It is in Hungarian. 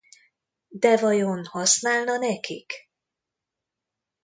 De vajon használna nekik?